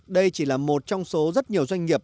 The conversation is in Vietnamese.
đây chỉ là một trong số rất nhiều doanh nghiệp